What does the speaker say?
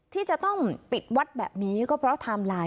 ที่จะต้องปิดวัดแบบนี้ก็เพราะไทม์ไลน์